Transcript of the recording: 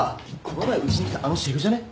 この前うちに来たあのシェフじゃね？